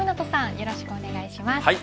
よろしくお願いします。